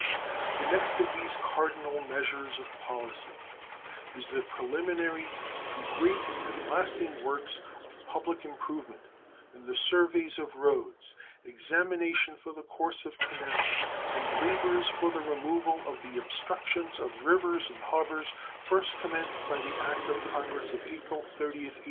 The next of these cardinal measures of policy is the preliminary to great and lasting works of public improvement in the surveys of roads, examination for the course of canals, and labors for the removal of the obstructions of rivers and harbors, first commenced by the act of Congress of April 30th, 1824.